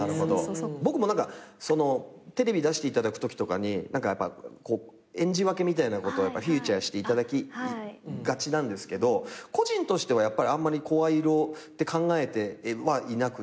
僕もテレビ出していただくときとかに演じ分けみたいなことをフューチャーしていただきがちなんですけど個人としてはやっぱりあんまり声色って考えてはいなくって。